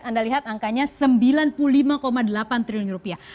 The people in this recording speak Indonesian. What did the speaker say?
anda lihat angkanya sembilan puluh lima delapan triliun rupiah